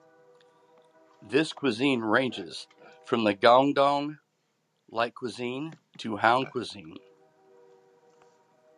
This cuisine ranges from the Guangdong like cuisine to Huang cuisine.